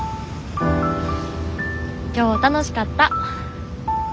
今日楽しかった。